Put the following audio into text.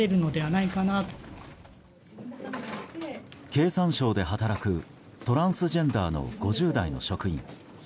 経産省で働くトランスジェンダーの５０代の職員。